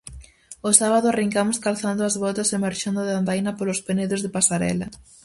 O sábado arrincamos calzando as botas e marchando de andaina polos penedos de Pasarela.